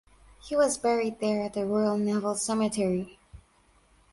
He was buried there at the Royal Naval Cemetery.